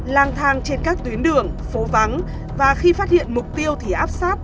lang thang trên các tuyến đường phố vắng và khi phát hiện mục tiêu thì áp sát